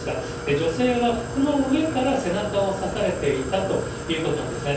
女性は服の上から背中を刺されていたということなんですね。